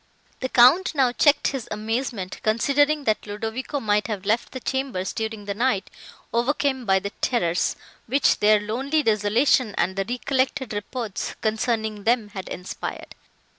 The Count now checked his amazement, considering that Ludovico might have left the chambers, during the night, overcome by the terrors, which their lonely desolation and the recollected reports, concerning them, had inspired.